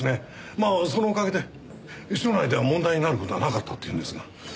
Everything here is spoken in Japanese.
まあそのおかげで署内では問題になる事はなかったっていうんですが。